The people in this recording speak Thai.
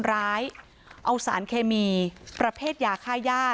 ร้ายเอาสารเคมีประเภทยาค่าย่า